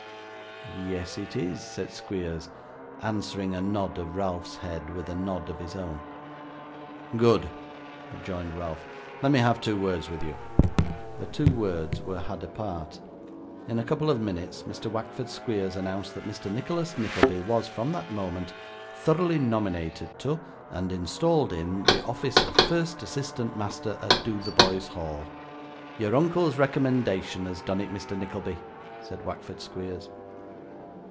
'Yes, it is,' said Squeers, answering a nod of Ralph's head with a nod of his own. 'Good,' rejoined Ralph. 'Let me have two words with you.' The two words were had apart; in a couple of minutes Mr. Wackford Squeers announced that Mr. Nicholas Nickleby was, from that moment, thoroughly nominated to, and installed in, the office of first assistant master at Dotheboys Hall. 'Your uncle's recommendation has done it, Mr. Nickleby,' said Wackford Squeers.